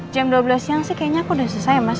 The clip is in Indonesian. jam dua belas siang sih kayaknya aku udah selesai ya mas